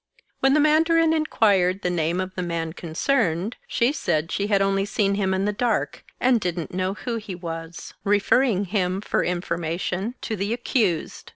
When the mandarin inquired the name of the man concerned, she said she had only seen him in the dark and didn't know who he 134 Another Sotomon was, referring him for information to the accused.